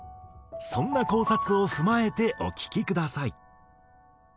そんな考察を踏まえてお聴きください。